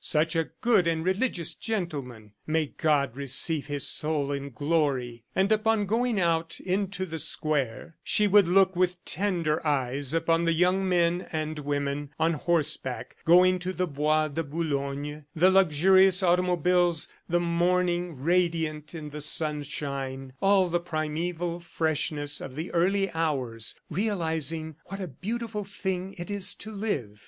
Such a good and religious gentleman! May God receive his soul in glory! ... And upon going out into the square, she would look with tender eyes upon the young men and women on horseback going to the Bois de Boulogne, the luxurious automobiles, the morning radiant in the sunshine, all the primeval freshness of the early hours realizing what a beautiful thing it is to live.